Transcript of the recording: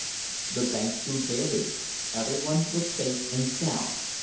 The banks grew daily. Everybody was safe and sound.